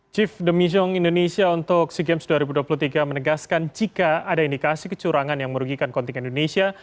chief demission indonesia untuk sea games dua ribu dua puluh tiga menegaskan jika ada indikasi kecurangan yang merugikan kontingen indonesia